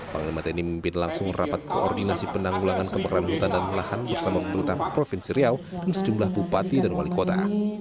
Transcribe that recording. panglima tni memimpin langsung rapat koordinasi penanggulangan kebakaran hutan dan lahan bersama pemerintah provinsi riau dan sejumlah bupati dan wali kota